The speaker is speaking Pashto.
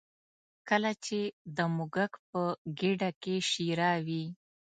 کله چې د موږک په ګېډه کې شېره وي.